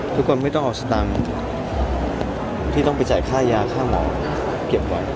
ไม่ต้องเอาสตางค์ที่ต้องไปจ่ายค่ายาค่าหมอเก็บไว้